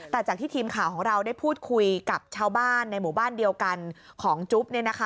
แต่จากที่ทีมข่าวของเราได้พูดคุยกับชาวบ้านในหมู่บ้านเดียวกันของจุ๊บ